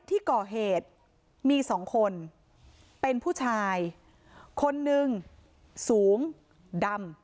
อีกคนหนึ่งสูงดำ